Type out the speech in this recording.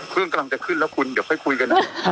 เครื่องกำลังจะขึ้นแล้วคุณเดี๋ยวค่อยคุยกัน